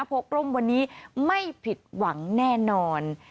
กร่มวันนี้ไม่ผิดหวังแน่นอน